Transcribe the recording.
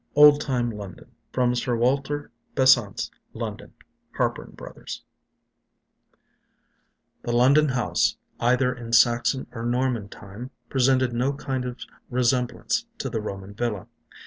OLD TIME LONDON From Sir Walter Besant's 'London': Harper and Brothers The London house, either in Saxon or Norman time, presented no kind of resemblance to the Roman villa.